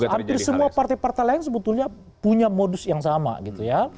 hampir semua partai partai lain sebetulnya punya modus yang sama gitu ya